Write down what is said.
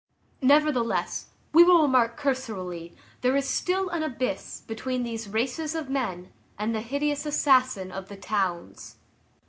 Nevertheless, we will remark cursorily, there is still an abyss between these races of men and the hideous assassin of the towns.